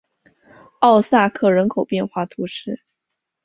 奥萨克人口变化图示